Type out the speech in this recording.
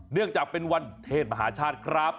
เนื่องจากเป็นวันเทศมหาชาติครับ